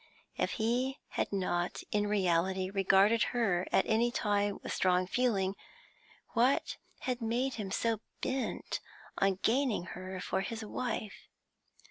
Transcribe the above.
If he had not in reality regarded her at any time with strong feeling, what had made him so bent on gaining her for his wife?